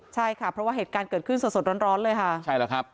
ใช่ค่ะเพราะว่าเหตุการณ์เกิดขึ้นสดสดร้อนร้อนเลยค่ะใช่แล้วครับ